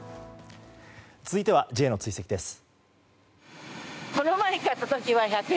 続いてはＪの追跡です。